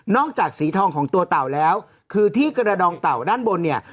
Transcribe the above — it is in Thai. จากสีทองของตัวเต่าแล้วคือที่กระดองเต่าด้านบนเนี่ย